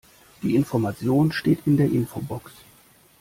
Die Information steht in der Infobox.